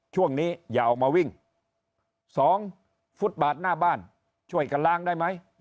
ช่วงนี้อย่าออกมาวิ่งสองฟุตบาทหน้าบ้านช่วยกันล้างได้ไหม